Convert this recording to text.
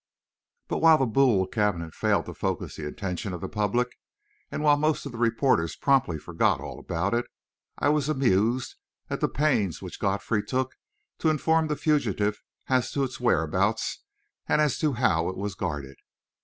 But while the Boule cabinet failed to focus the attention of the public, and while most of the reporters promptly forgot all about it, I was amused at the pains which Godfrey took to inform the fugitive as to its whereabouts and as to how it was guarded.